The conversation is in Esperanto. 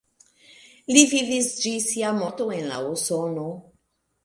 Li vivis ĝis sia morto en la Usono.